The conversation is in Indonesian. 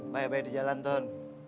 bayar bayar di jalan tun